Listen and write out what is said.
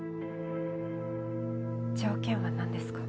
条件はなんですか？